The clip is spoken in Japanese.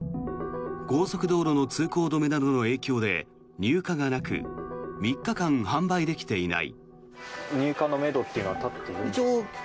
高速道路の通行止めなどの影響で入荷がなく３日間販売できていない。